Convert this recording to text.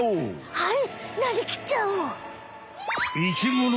はい。